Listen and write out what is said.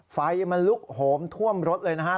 ไฟมันลุกโหมท่วมรถเลยนะครับ